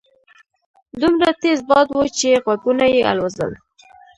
دومره تېز باد وو چې غوږونه يې الوځول.